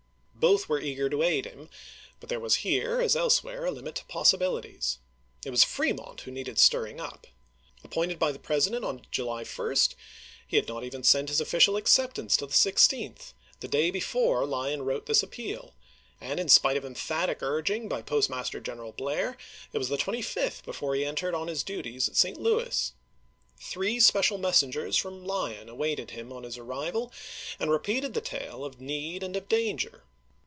Both were eager to aid him, but there was here, as else where, a limit to possibilities. It was Fremont who needed stirring up. Appointed by the Presi 1861. dent on July 1, he had not even sent his official acceptance till the 16th, the day before Lyon wrote this appeal ; and, in spite of emphatic ui'ging by Postmaster General Blair, it was the 25th before he entered on his duties at St. Louis. Three special messengers from Lyon awaited him on his arrival, and repeated the tale of need and of danger.